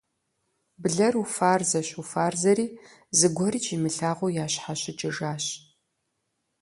Бгъэр уфарзэщ-уфарзэри, зыгуэрикӀ имылъагъуу ящхьэщыкӀыжащ.